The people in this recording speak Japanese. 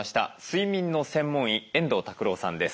睡眠の専門医遠藤拓郎さんです。